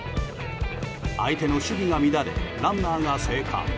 相手の守備が乱れランナーが生還。